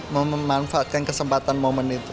memanfaatkan kesempatan momen itu